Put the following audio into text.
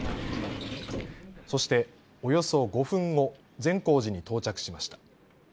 そして、およそ５分後、善光寺に到着しました。